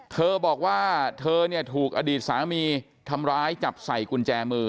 เธอบอกว่าเธอเนี่ยถูกอดีตสามีทำร้ายจับใส่กุญแจมือ